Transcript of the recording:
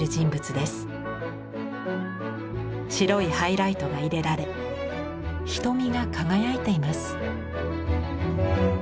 白いハイライトが入れられ瞳が輝いています。